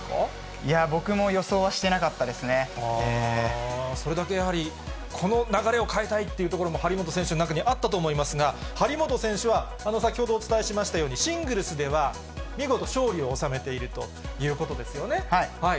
いや、僕も予想はしてなかっそれだけやはり、この流れを変えたいというところも張本選手の中にあったと思いますが、張本選手は、先ほどお伝えしましたように、シングルスでは、見事勝利を収めているということですよね。